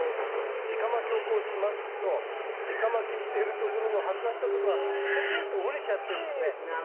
じかまきをこうしますとじかまきしているところの発芽したところがポキンと折れちゃってですね枯れちゃうんです。